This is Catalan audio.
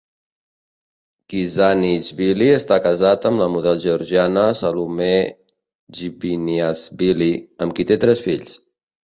Khizanishvili està casat amb la model georgiana, Salome Ghviniashvili, amb qui té tres fills.